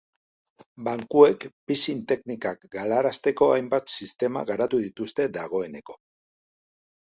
Bankuek phishing teknikak galarazteko hainbat sistema garatu dituzte dagoeneko.